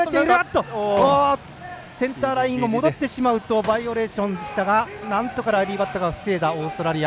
センターラインを戻ってしまうとバイオレーションでしたがなんとかライリー・バットが防いだ、オーストラリア。